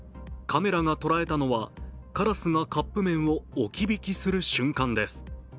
カメラが捉えたのはカラスがカップ麺を置き引きする瞬間です。